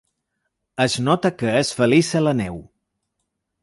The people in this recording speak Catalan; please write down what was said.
Es nota que és feliç a la neu.